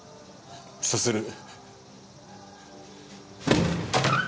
そうする。